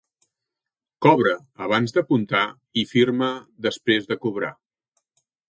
Cobra abans d'apuntar i firma després de cobrar.